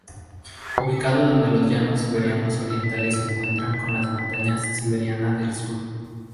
Ubicado donde los llanos siberianos orientales se encuentran con las montañas siberiana del sur.